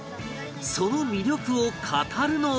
その魅力を語るのは